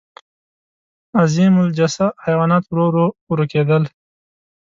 عظیم الجثه حیوانات ورو ورو ورکېدل.